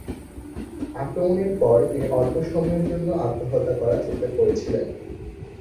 আক্রমণের পর, তিনি অল্প সময়ের জন্য আত্মহত্যা করার চিন্তা করেছিলেন।